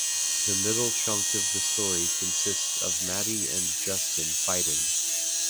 The middle chunk of the story consists of Maddy and Justin fighting.